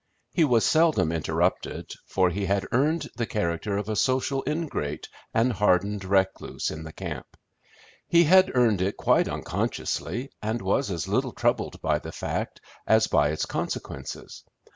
He was seldom interrupted, for he had earned the character of a social ingrate and hardened recluse in the camp. He had earned it quite unconsciously, and was as little troubled by the fact as by its consequences.